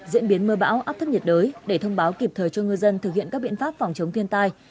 diễn biến mưa bão áp thấp nhiệt đới để thông báo kịp thời cho ngư dân thực hiện các biện pháp phòng chống thiên tai